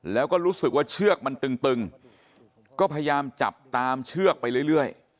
แล้วก็รู้สึกว่าเชือกมันตึงก็พยายามจับตามเชือกไปเรื่อย